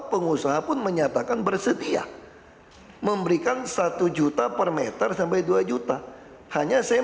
pengusaha pun menyatakan bersedia memberikan satu juta per meter sampai dua juta hanya saya